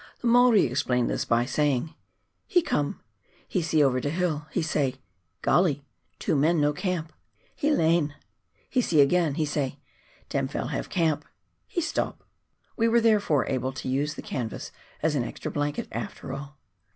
The Maori explained this by saying, " He com' — he see over de hill — he say, ' Golly, two men no camp,' he lain ; he see again, he say, 'Dem fell' have camp,' — he stop." We were, therefore, able to use the canvas as an extra blanket after all.